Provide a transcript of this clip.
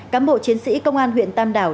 cám bộ chiến sĩ công an huyện tam đảo